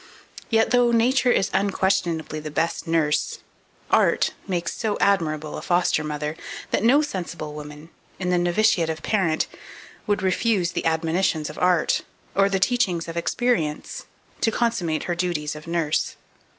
Yet, though Nature is unquestionably the best nurse, Art makes so admirable a foster mother, that no sensible woman, in her novitiate of parent, would refuse the admonitions of art, or the teachings of experience, to consummate her duties of nurse.